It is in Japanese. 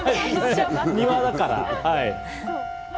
庭だから。